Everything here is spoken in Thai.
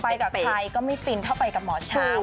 กับใครก็ไม่ฟินเข้าไปกับหมอช้าง